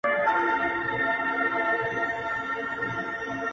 o ککرۍ يې دي رېبلي دې بدرنگو ککریو،